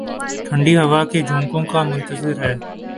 ٹھنڈی ہوا کے جھونکوں کا منتظر ہے